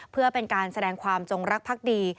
เพื่อเป็นการแสดงความจงรักภักดี